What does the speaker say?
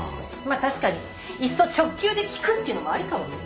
まあ確かにいっそ直球で聞くっていうのもありかもね。